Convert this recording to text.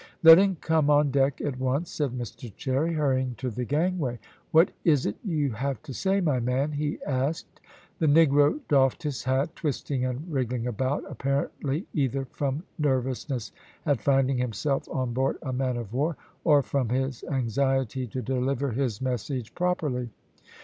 "Let him come on deck at once," said Mr Cherry, hurrying to the gangway. "What is it you have to say, my man?" he asked. The negro doffed his hat, twisting and wriggling about, apparently either from nervousness at finding himself on board a man of war, or from his anxiety to deliver his message properly.